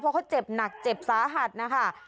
เพราะเขาเจ็บหนักเจ็บสาหัสนะคะ